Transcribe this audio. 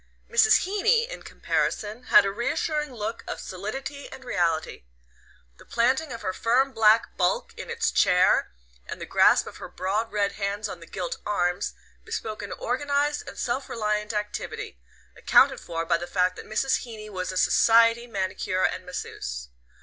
Mrs. Heeny, in comparison, had a reassuring look of solidity and reality. The planting of her firm black bulk in its chair, and the grasp of her broad red hands on the gilt arms, bespoke an organized and self reliant activity, accounted for by the fact that Mrs. Heeny was a "society" manicure and masseuse.